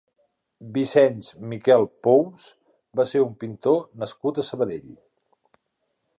Vicenç Miquel Pous va ser un pintor nascut a Sabadell.